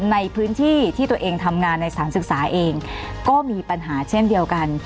ในพื้นที่ที่ตัวเองทำงานในสถานศึกษาเองก็มีปัญหาเช่นเดียวกัน